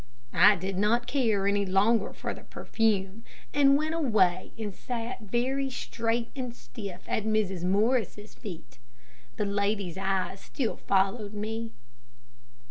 I did not care any longer for the perfume, and went away and sat very straight and stiff at Mrs. Morris' feet. The lady's eyes still followed me.